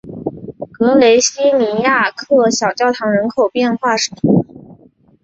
格雷西尼亚克小教堂人口变化图示